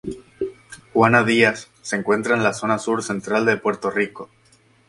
Juana Díaz se encuentra en la zona sur central de Puerto Rico.